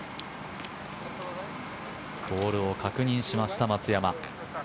ボールを確認しました、松山。